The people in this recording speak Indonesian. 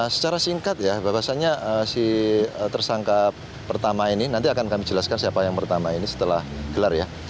secara singkat ya bahwasannya si tersangka pertama ini nanti akan kami jelaskan siapa yang pertama ini setelah gelar ya